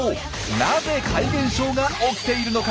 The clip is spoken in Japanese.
なぜ怪現象が起きているのか。